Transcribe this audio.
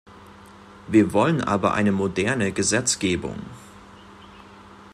Wir wollen aber eine moderne Gesetzgebung.